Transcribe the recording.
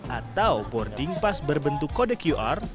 atau boarding pass berbentuk kode qr